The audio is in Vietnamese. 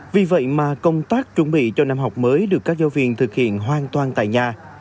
vì vậy mà công tác chuẩn bị cho năm học mới được các giáo viên thực hiện hoàn toàn tại nhà